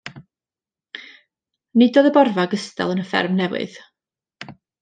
Nid oedd y borfa gystal yn y fferm newydd.